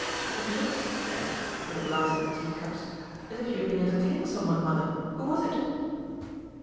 It looks," she added, with a glance at the tea cups, "as if you had been entertaining some one, Mother who was it?"